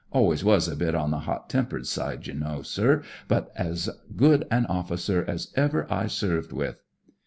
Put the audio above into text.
Always was a bit on the hot tempered side, you know, sir ; but as good an officer as ever I served with.